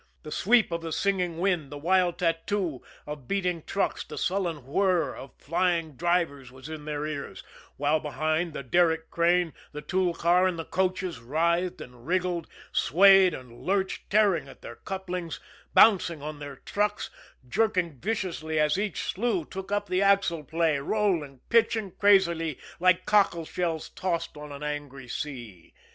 The sweep of the singing wind, the wild tattoo of beating trucks, the sullen whir of flying drivers was in their ears; while behind, the derrick crane, the tool car and the coaches writhed and wriggled, swayed and lurched, tearing at their couplings, bouncing on their trucks, jerking viciously as each slue took up the axle play, rolling, pitching crazily like cockleshells tossed on an angry sea.